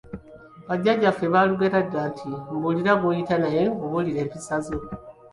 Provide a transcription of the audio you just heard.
Bajjajjaffe baalugera dda nti: Mbuulira gw'oyita naye nkubuulire empisa zo.